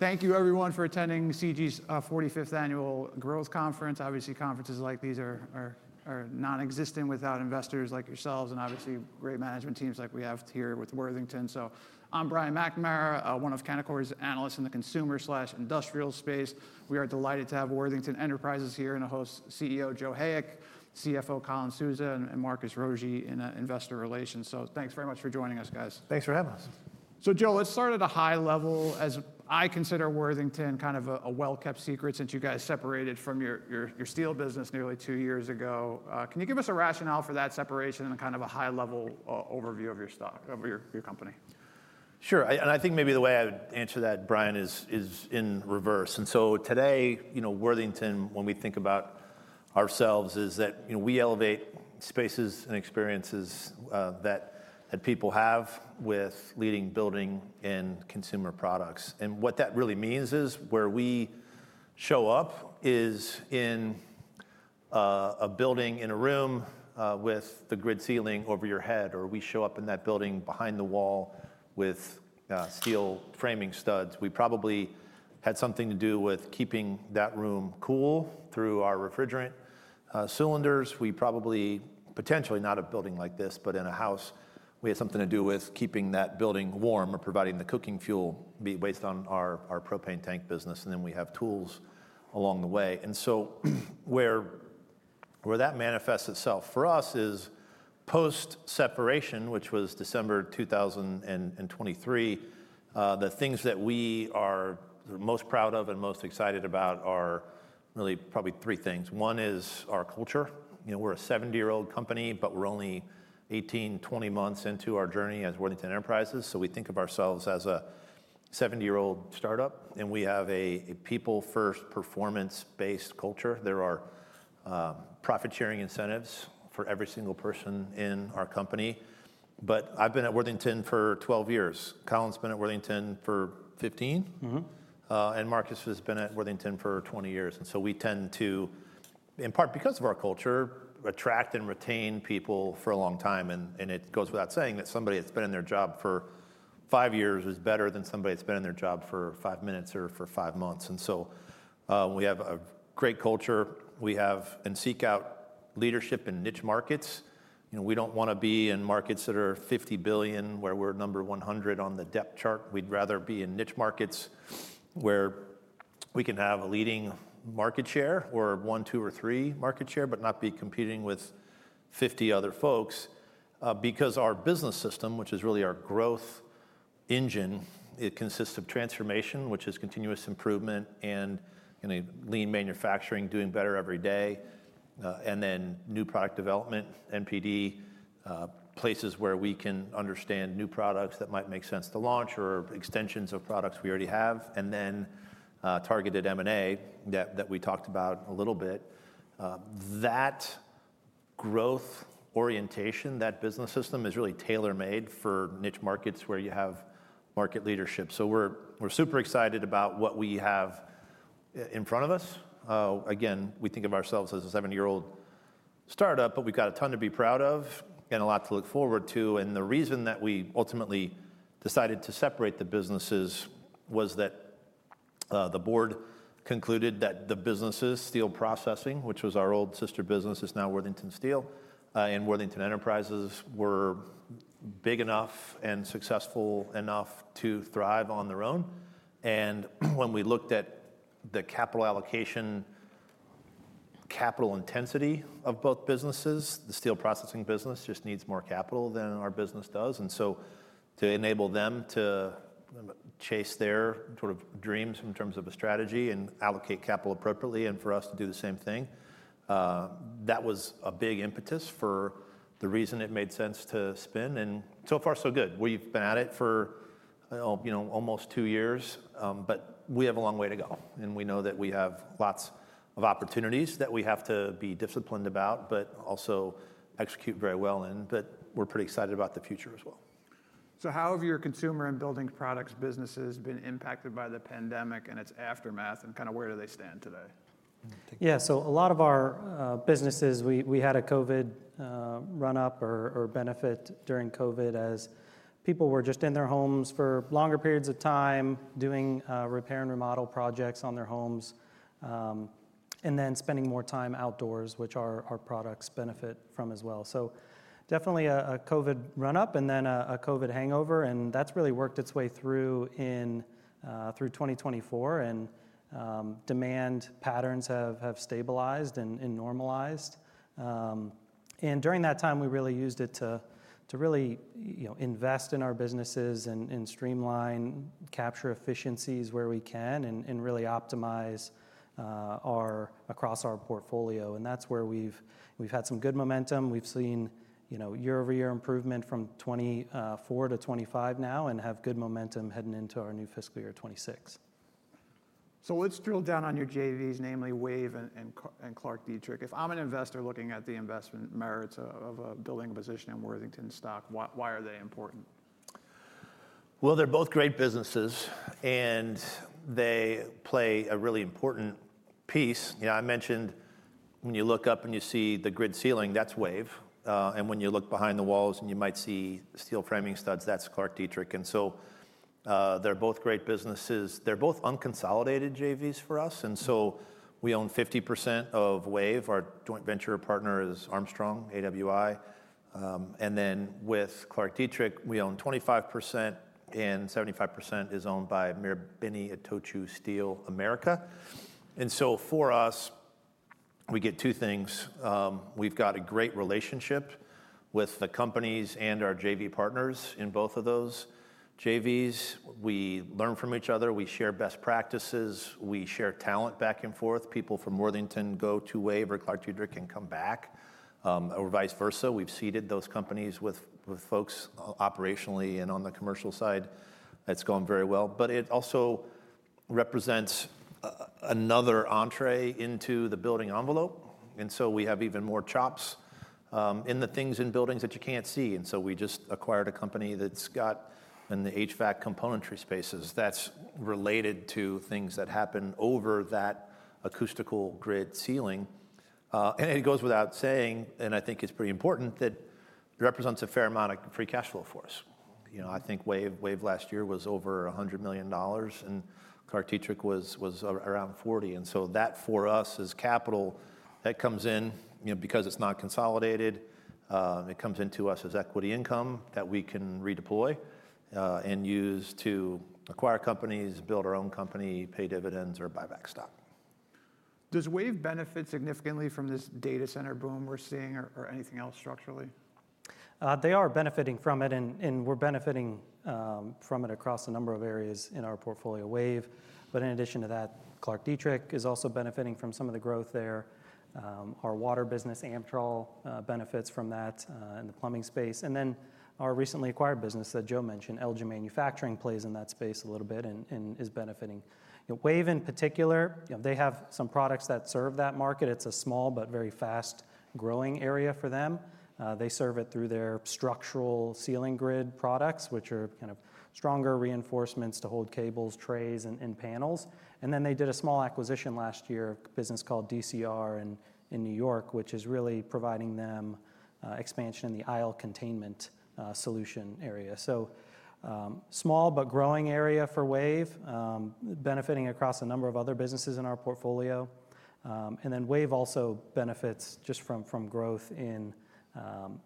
Thank you, everyone, for attending Canaccord Genuity's 45th Annual Growth Conference. Obviously, conferences like these are non-existent without investors like yourselves and, obviously, great management teams like we have here with Worthington Enterprises. I'm Brian McNamara, one of Canaccord's analysts in the consumer/industrial space. We are delighted to have Worthington Enterprises here and to host CEO Joseph Hayek, CFO Colin Souza, and Marcus Rogier in Investor Relations. Thanks very much for joining us, guys. Thanks for having us. Joe, let's start at a high level. As I consider Worthington Enterprises kind of a well-kept secret since you guys separated from your steel business nearly two years ago, can you give us a rationale for that separation and kind of a high-level overview of your company? Sure. I think maybe the way I would answer that, Brian, is in reverse. Today, you know, Worthington, when we think about ourselves, is that, you know, we elevate spaces and experiences that people have with leading building and consumer products. What that really means is where we show up is in a building, in a room with the grid ceiling over your head, or we show up in that building behind the wall with steel framing studs. We probably had something to do with keeping that room cool through our refrigerant cylinders. We probably, potentially, not a building like this, but in a house, we had something to do with keeping that building warm or providing the cooking fuel based on our propane tank business. We have tools along the way. Where that manifests itself for us is post-separation, which was December 2023, the things that we are most proud of and most excited about are really probably three things. One is our culture. You know, we're a 70-year-old company, but we're only 18 months, 20 months into our journey as Worthington Enterprises. We think of ourselves as a 70-year-old startup, and we have a people-first, performance-based culture. There are profit-sharing incentives for every single person in our company. I've been at Worthington for 12 years. Colin's been at Worthington for 15. Mm-hmm. Marcus has been at Worthington Enterprises for 20 years. We tend to, in part because of our culture, attract and retain people for a long time. It goes without saying that somebody that's been in their job for five years is better than somebody that's been in their job for five minutes or for five months. We have a great culture. We have and seek out leadership in niche markets. We don't want to be in markets that are $50 billion, where we're number 100 on the depth chart. We'd rather be in niche markets where we can have a leading market share or one, two, or three market share, but not be competing with 50 other folks. Our business system, which is really our growth engine, consists of transformation, which is continuous improvement and lean manufacturing, doing better every day, and then new product development, NPD, places where we can understand new products that might make sense to launch or extensions of products we already have, and then targeted M&A that we talked about a little bit. That growth orientation, that business system is really tailor-made for niche markets where you have market leadership. We're super excited about what we have in front of us. We think of ourselves as a 70-year-old startup, but we've got a ton to be proud of and a lot to look forward to. The reason that we ultimately decided to separate the businesses was that the board concluded that the businesses, steel processing, which was our old sister business, is now Worthington Steel, and Worthington Enterprises were big enough and successful enough to thrive on their own. When we looked at the capital allocation, capital intensity of both businesses, the steel processing business just needs more capital than our business does. To enable them to chase their sort of dreams in terms of a strategy and allocate capital appropriately and for us to do the same thing, that was a big impetus for the reason it made sense to spin. So far, so good. We've been at it for almost two years, but we have a long way to go. We know that we have lots of opportunities that we have to be disciplined about, but also execute very well in. We're pretty excited about the future as well. How have your consumer and building products businesses been impacted by the pandemic and its aftermath, and kind of where do they stand today? A lot of our businesses had a COVID run-up or benefit during COVID as people were just in their homes for longer periods of time, doing repair and remodel projects on their homes, and then spending more time outdoors, which our products benefit from as well. There was definitely a COVID run-up and then a COVID hangover, and that's really worked its way through in 2024, and demand patterns have stabilized and normalized. During that time, we used it to invest in our businesses and streamline, capture efficiencies where we can, and really optimize across our portfolio. That's where we've had some good momentum. We've seen year-over-year improvement from 2024 to 2025 now and have good momentum heading into our new fiscal year of 2026. Let's drill down on your joint ventures, namely WAVE and Clark-Dietrich. If I'm an investor looking at the investment merits of a building position in Worthington stock, why are they important? They are both great businesses, and they play a really important piece. You know, I mentioned when you look up and you see the grid ceiling, that's WAVE. When you look behind the walls and you might see the steel framing studs, that's Clark-Dietrich. They are both great businesses. They are both unconsolidated joint ventures for us. We own 50% of WAVE. Our joint venture partner is Armstrong World Industries, AWI, and then with Clark-Dietrich, we own 25%, and 75% is owned by Marubeni-Itochu Steel America. For us, we get two things. We've got a great relationship with the companies and our joint venture partners in both of those joint ventures. We learn from each other. We share best practices. We share talent back and forth. People from Worthington Enterprises go to WAVE or Clark-Dietrich and come back, or vice versa. We've seeded those companies with folks operationally and on the commercial side. It's gone very well. It also represents another entree into the building envelope. We have even more chops in the things in buildings that you can't see. We just acquired a company that's in the HVAC componentry space that's related to things that happen over that acoustical grid ceiling. It goes without saying, and I think it's pretty important, that it represents a fair amount of free cash flow for us. I think WAVE last year was over $100 million, and Clark-Dietrich was around $40 million. That for us is capital that comes in because it's not consolidated. It comes into us as equity income that we can redeploy and use to acquire companies, build our own company, pay dividends, or buy back stock. Does WAVE benefit significantly from this data center boom we're seeing or anything else structurally? They are benefiting from it, and we're benefiting from it across a number of areas in our portfolio, WAVE. In addition to that, Clark-Dietrich is also benefiting from some of the growth there. Our water business, Amtel, benefits from that in the plumbing space. Our recently acquired business that Joe mentioned, Elgen Manufacturing, plays in that space a little bit and is benefiting. WAVE in particular has some products that serve that market. It's a small but very fast-growing area for them. They serve it through their structural ceiling grid products, which are kind of stronger reinforcements to hold cables, trays, and panels. They did a small acquisition last year, a business called DCR in New York, which is really providing them expansion in the aisle containment solution area. Small but growing area for WAVE, benefiting across a number of other businesses in our portfolio. WAVE also benefits just from growth in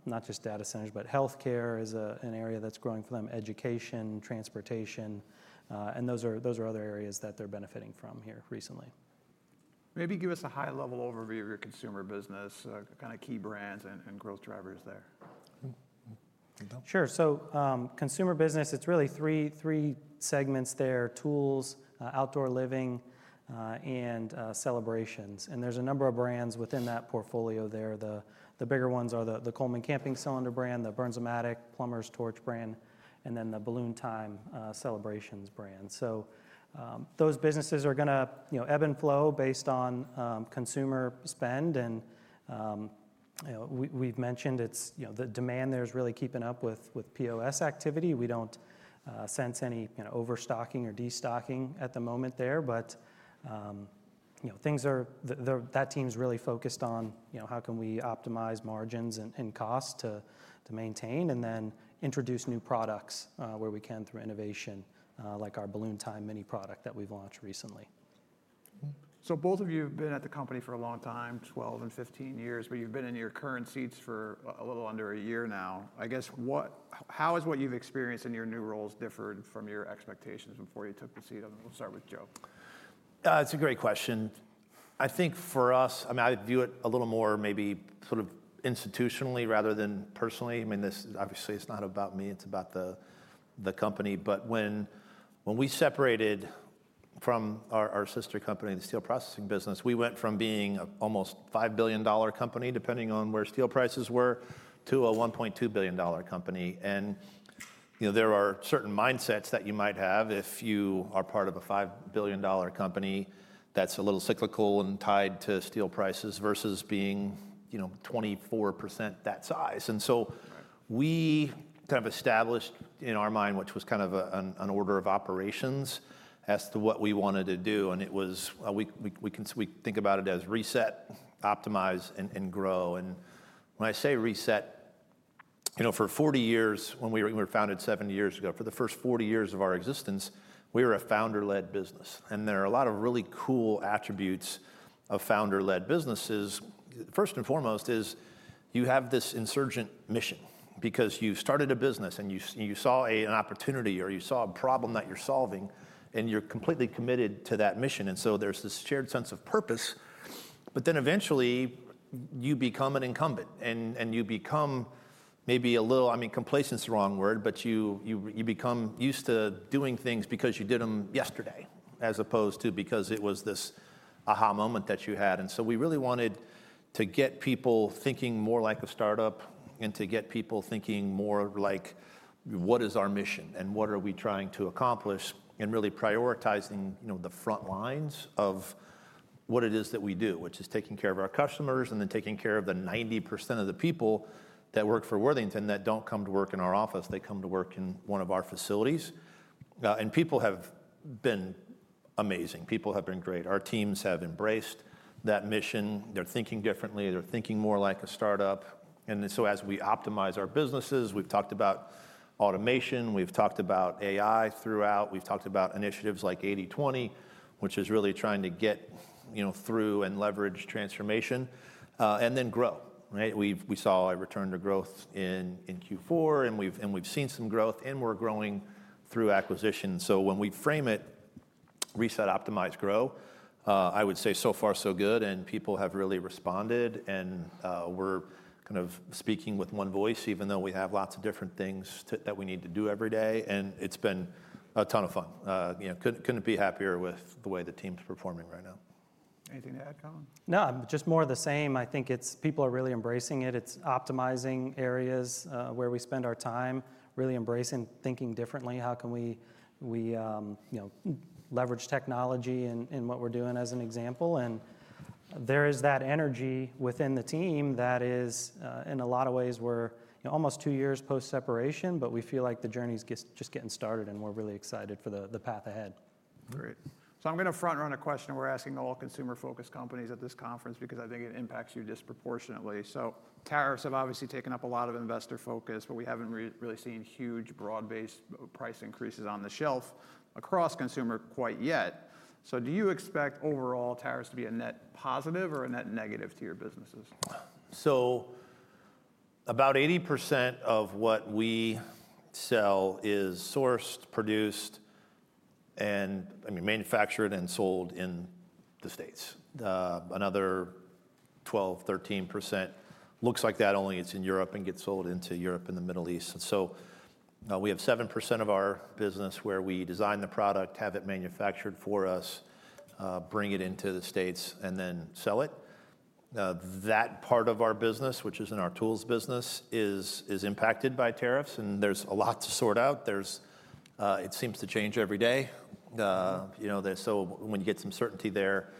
not just data centers, but healthcare is an area that's growing for them, education, transportation, and those are other areas that they're benefiting from here recently. Maybe give us a high-level overview of your consumer business, key brands, and growth drivers there. Sure. Consumer business, it's really three segments there: tools, outdoor living, and celebrations. There's a number of brands within that portfolio there. The bigger ones are the Coleman camping cylinder brand, the Bernzomatic plumber's torch brand, and then the Balloon Time celebrations brand. Those businesses are going to ebb and flow based on consumer spend. We've mentioned the demand there is really keeping up with POS activity. We don't sense any overstocking or destocking at the moment there. That team's really focused on how can we optimize margins and costs to maintain and then introduce new products where we can through innovation, like our Balloon Time Mini product that we've launched recently. Both of you have been at the company for a long time, 12 years and 15 years, but you've been in your current seats for a little under a year now. I guess, how has what you've experienced in your new roles differed from your expectations before you took the seat? I mean, we'll start with Joe. It's a great question. I think for us, I view it a little more maybe sort of institutionally rather than personally. This obviously is not about me. It's about the company. When we separated from our sister company, the steel processing business, we went from being an almost $5 billion company, depending on where steel prices were, to a $1.2 billion company. There are certain mindsets that you might have if you are part of a $5 billion company that's a little cyclical and tied to steel prices versus being, you know, 24% that size. We kind of established in our mind, which was kind of an order of operations as to what we wanted to do. We think about it as reset, optimize, and grow. When I say reset, for 40 years, when we were founded 70 years ago, for the first 40 years of our existence, we were a founder-led business. There are a lot of really cool attributes of founder-led businesses. First and foremost is you have this insurgent mission because you started a business and you saw an opportunity or you saw a problem that you're solving, and you're completely committed to that mission. There is this shared sense of purpose. Eventually, you become an incumbent, and you become maybe a little, I mean, complacent is the wrong word, but you become used to doing things because you did them yesterday, as opposed to because it was this aha moment that you had. We really wanted to get people thinking more like a startup and to get people thinking more like, what is our mission and what are we trying to accomplish and really prioritizing the front lines of what it is that we do, which is taking care of our customers and then taking care of the 90% of the people that work for Worthington that don't come to work in our office. They come to work in one of our facilities. People have been amazing. People have been great. Our teams have embraced that mission. They're thinking differently. They're thinking more like a startup. As we optimize our businesses, we've talked about automation. We've talked about AI throughout. We've talked about initiatives like 80/20, which is really trying to get through and leverage transformation and then grow. We saw a return to growth in Q4, and we've seen some growth, and we're growing through acquisitions. When we frame it, reset, optimize, grow, I would say so far, so good. People have really responded, and we're kind of speaking with one voice, even though we have lots of different things that we need to do every day. It's been a ton of fun. Couldn't be happier with the way the team's performing right now. Anything to add, Colin? No, just more of the same. I think people are really embracing it. It's optimizing areas where we spend our time, really embracing thinking differently. How can we leverage technology in what we're doing as an example? There is that energy within the team that is, in a lot of ways, we're almost two years post-separation, but we feel like the journey is just getting started, and we're really excited for the path ahead. Great. I'm going to front-run a question we're asking all consumer-focused companies at this conference because I think it impacts you disproportionately. Tariffs have obviously taken up a lot of investor focus, but we haven't really seen huge broad-based price increases on the shelf across consumer quite yet. Do you expect overall tariffs to be a net positive or a net negative to your businesses? About 80% of what we sell is sourced, produced, and manufactured and sold in the United States. Another 12%, 13% looks like that only. It's in Europe and gets sold into Europe and the Middle East. We have 7% of our business where we design the product, have it manufactured for us, bring it into the United States, and then sell it. That part of our business, which is in our tools business, is impacted by tariffs, and there's a lot to sort out. It seems to change every day. When you get some certainty there,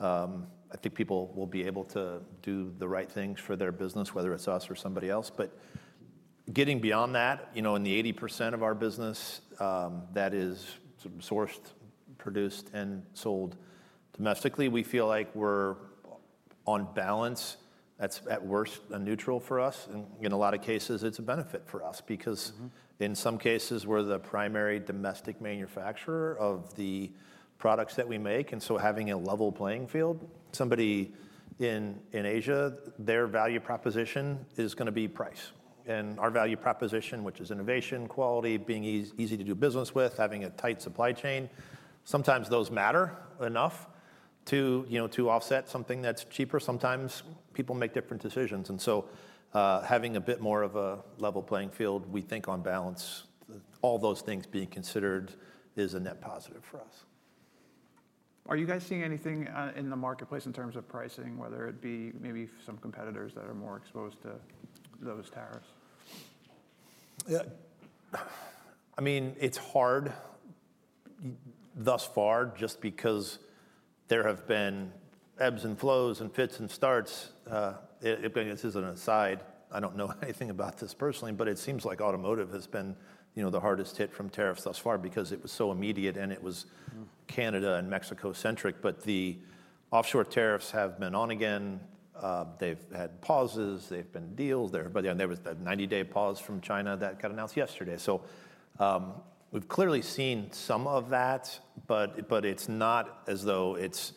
I think people will be able to do the right things for their business, whether it's us or somebody else. Getting beyond that, in the 80% of our business that is sourced, produced, and sold domestically, we feel like we're on balance. That's at worst a neutral for us. In a lot of cases, it's a benefit for us because in some cases, we're the primary domestic manufacturer of the products that we make. Having a level playing field, somebody in Asia, their value proposition is going to be price. Our value proposition, which is innovation, quality, being easy to do business with, having a tight supply chain, sometimes those matter enough to offset something that's cheaper. Sometimes people make different decisions. Having a bit more of a level playing field, we think on balance, all those things being considered is a net positive for us. Are you guys seeing anything in the marketplace in terms of pricing, whether it be maybe some competitors that are more exposed to those tariffs? Yeah, I mean, it's hard thus far just because there have been ebbs and flows and fits and starts. This isn't an aside. I don't know anything about this personally, but it seems like automotive has been, you know, the hardest hit from tariffs thus far because it was so immediate and it was Canada and Mexico-centric. The offshore tariffs have been on again. They've had pauses. They've been deals. There was a 90-day pause from China that got announced yesterday. We've clearly seen some of that, but it's not as though it's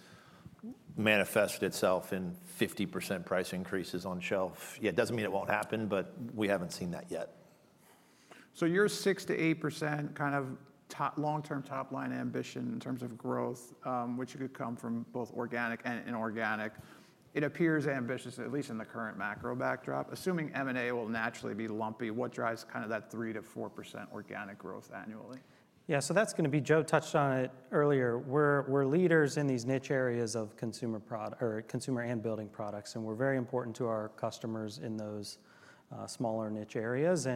manifested itself in 50% price increases on shelf. It doesn't mean it won't happen, but we haven't seen that yet. Your 6%-8% kind of long-term top-line ambition in terms of growth, which could come from both organic and inorganic, it appears ambitious, at least in the current macro backdrop. Assuming M&A will naturally be lumpy, what drives kind of that 3%-4% organic growth annually? Yeah, so that's going to be, Joe touched on it earlier. We're leaders in these niche areas of consumer and building products, and we're very important to our customers in those smaller niche areas.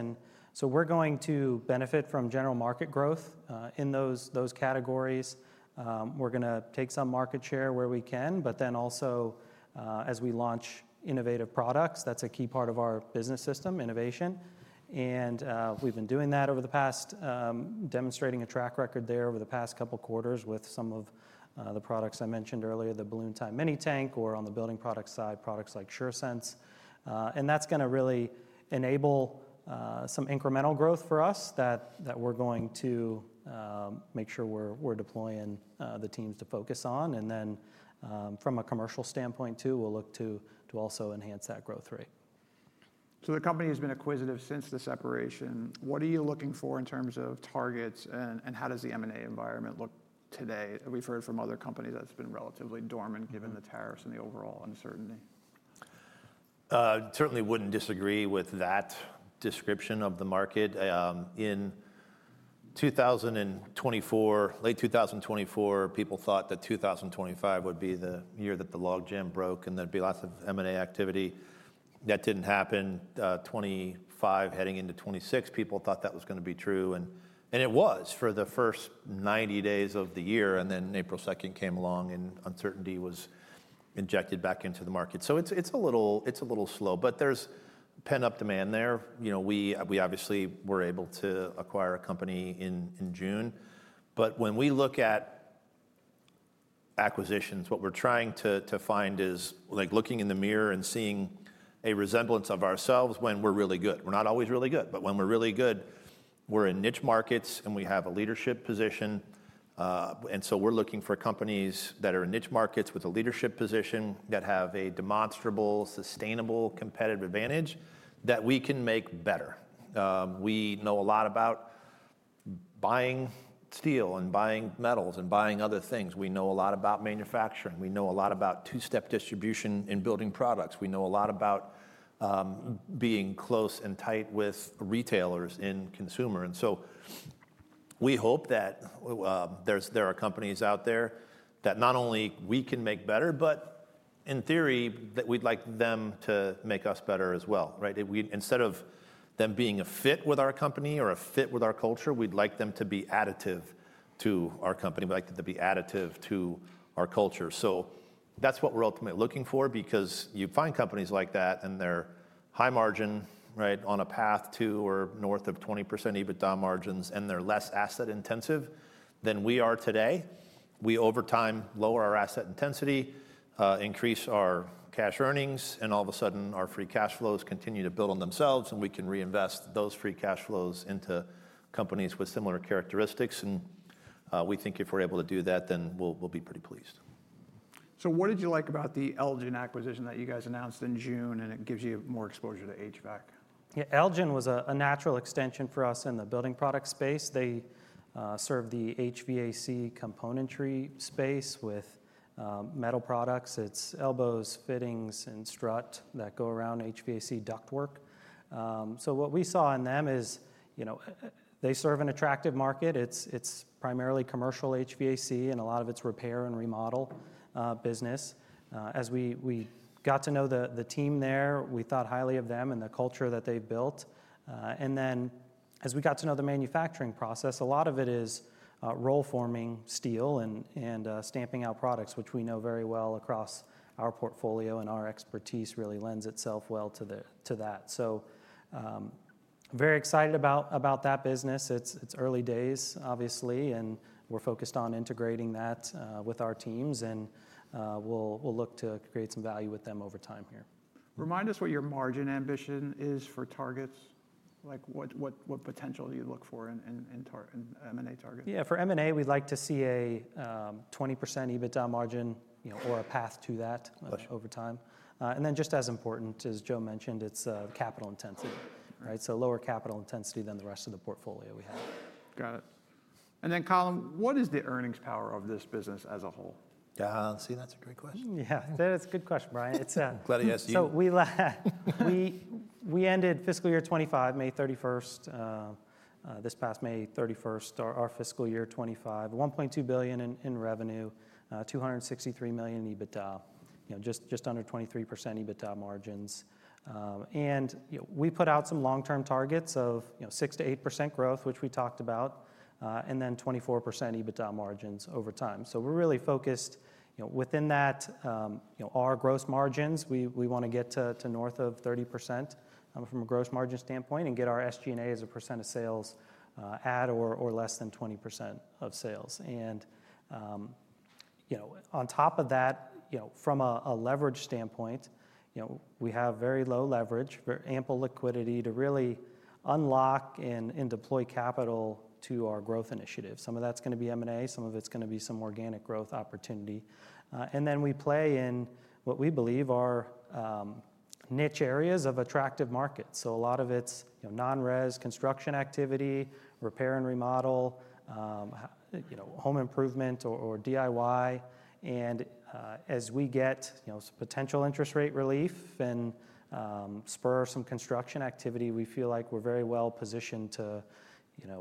We're going to benefit from general market growth in those categories. We're going to take some market share where we can, but also as we launch innovative products, that's a key part of our business system, innovation. We've been doing that over the past, demonstrating a track record there over the past couple of quarters with some of the products I mentioned earlier, the Balloon Time Mini tank, or on the building product side, products like SureSense. That's going to really enable some incremental growth for us that we're going to make sure we're deploying the teams to focus on. From a commercial standpoint too, we'll look to also enhance that growth rate. The company has been acquisitive since the separation. What are you looking for in terms of targets, and how does the M&A environment look today? We've heard from other companies it's been relatively dormant given the tariffs and the overall uncertainty. Certainly wouldn't disagree with that description of the market. In 2024, late 2024, people thought that 2025 would be the year that the logjam broke, and there'd be lots of M&A activity. That didn't happen. 2025 heading into 2026, people thought that was going to be true. It was for the first 90 days of the year. Then April 2nd came along, and uncertainty was injected back into the market. It's a little slow, but there's pent-up demand there. We obviously were able to acquire a company in June. When we look at acquisitions, what we're trying to find is like looking in the mirror and seeing a resemblance of ourselves when we're really good. We're not always really good, but when we're really good, we're in niche markets, and we have a leadership position. We're looking for companies that are in niche markets with a leadership position that have a demonstrable, sustainable, competitive advantage that we can make better. We know a lot about buying steel and buying metals and buying other things. We know a lot about manufacturing. We know a lot about two-step distribution in building products. We know a lot about being close and tight with retailers in consumer. We hope that there are companies out there that not only we can make better, but in theory, that we'd like them to make us better as well. Instead of them being a fit with our company or a fit with our culture, we'd like them to be additive to our company. We'd like them to be additive to our culture. That's what we're ultimately looking for because you find companies like that, and they're high margin on a path to or north of 20% EBITDA margins, and they're less asset-intensive than we are today. We over time lower our asset intensity, increase our cash earnings, and all of a sudden our free cash flows continue to build on themselves, and we can reinvest those free cash flows into companies with similar characteristics. We think if we're able to do that, then we'll be pretty pleased. What did you like about the Elgen Manufacturing acquisition that you guys announced in June, and it gives you more exposure to HVAC? Yeah, Elgen was a natural extension for us in the building product space. They serve the HVAC componentry space with metal products. It's elbows, fittings, and strut that go around HVAC ductwork. What we saw in them is, you know, they serve an attractive market. It's primarily commercial HVAC and a lot of it's repair and remodel business. As we got to know the team there, we thought highly of them and the culture that they've built. As we got to know the manufacturing process, a lot of it is roll-forming steel and stamping out products, which we know very well across our portfolio, and our expertise really lends itself well to that. Very excited about that business. It's early days, obviously, and we're focused on integrating that with our teams, and we'll look to create some value with them over time here. Remind us what your margin ambition is for targets. What potential do you look for in M&A targets? For M&A, we'd like to see a 20% EBITDA margin, you know, or a path to that over time. Just as important, as Joe mentioned, it's capital intensity. Right? So lower capital intensity than the rest of the portfolio we had. Got it. Colin, what is the earnings power of this business as a whole? Yeah, that's a great question. Yeah, that's a good question, Brian. Glad I asked you. We ended fiscal year 2025, May 31, this past May 31, our fiscal year 2025, $1.2 billion in revenue, $263 million in EBITDA, just under 23% EBITDA margins. We put out some long-term targets of 6%-8% growth, which we talked about, and then 24% EBITDA margins over time. We're really focused within that, our gross margins, we want to get to north of 30% from a gross margin standpoint and get our SG&A as a percent of sales at or less than 20% of sales. On top of that, from a leverage standpoint, we have very low leverage, very ample liquidity to really unlock and deploy capital to our growth initiatives. Some of that's going to be M&A, some of it's going to be some organic growth opportunity. We play in what we believe are niche areas of attractive markets. A lot of it's non-res construction activity, repair and remodel, home improvement or DIY. As we get potential interest rate relief and spur some construction activity, we feel like we're very well positioned to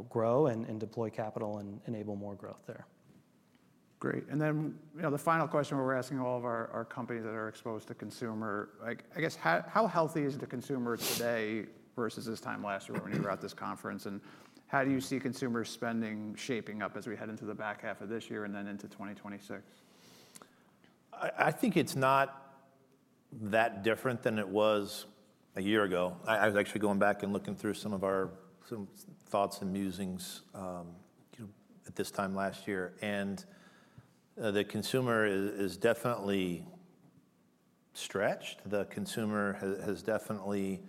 grow and deploy capital and enable more growth there. Great. The final question we're asking all of our companies that are exposed to consumer, I guess, how healthy is the consumer today versus this time last year when you were at this conference? How do you see consumer spending shaping up as we head into the back half of this year and then into 2026? I think it's not that different than it was a year ago. I was actually going back and looking through some of our thoughts and musings at this time last year. The consumer is definitely stretched. The consumer has definitely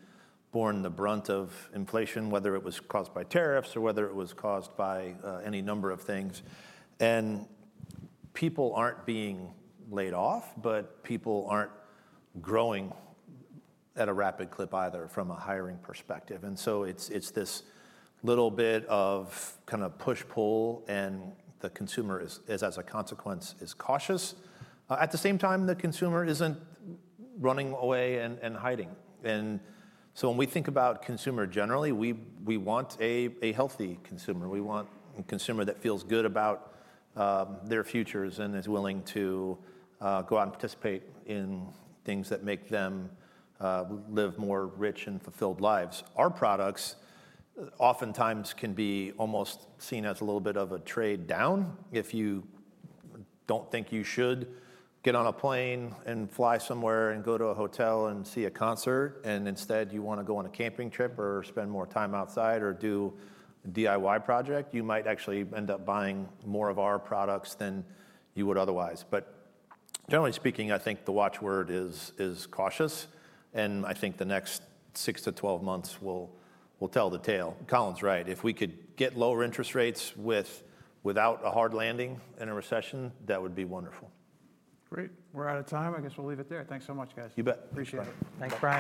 borne the brunt of inflation, whether it was caused by tariffs or whether it was caused by any number of things. People aren't being laid off, but people aren't growing at a rapid clip either from a hiring perspective. It's this little bit of kind of push-pull, and the consumer is, as a consequence, cautious. At the same time, the consumer isn't running away and hiding. When we think about consumer generally, we want a healthy consumer. We want a consumer that feels good about their futures and is willing to go out and participate in things that make them live more rich and fulfilled lives. Our products oftentimes can be almost seen as a little bit of a trade down. If you don't think you should get on a plane and fly somewhere and go to a hotel and see a concert, and instead you want to go on a camping trip or spend more time outside or do a DIY project, you might actually end up buying more of our products than you would otherwise. Generally speaking, I think the watchword is cautious, and I think the next six to 12 months will tell the tale. Colin's right. If we could get lower interest rates without a hard landing in a recession, that would be wonderful. Great. We're out of time. I guess we'll leave it there. Thanks so much, guys. You bet. Appreciate it. All right. Thanks, Brian.